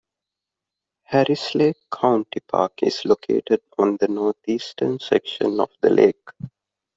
Harris Lake County Park is located on the northeastern section of the lake.